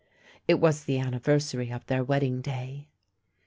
It was the anniversary of their wedding day.